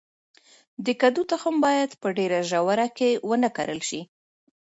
د کدو تخم باید په ډیره ژوره کې ونه کرل شي.